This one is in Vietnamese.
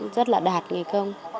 rất là đạt nghề công